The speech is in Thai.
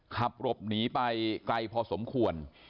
ขับหลบหนีไปไกลพอสมควร